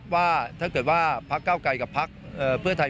ว่าถ้าเกิดว่าพักเก้าไกลกับพักเพื่อไทย